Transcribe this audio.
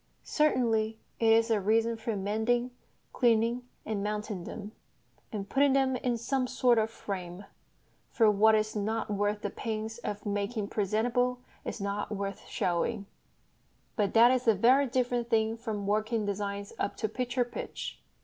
Certainly it is a reason for mending, cleaning, and mounting them, and putting them in some sort of frame (for what is not worth the pains of making presentable is not worth showing), but that is a very different thing from working designs up to picture pitch.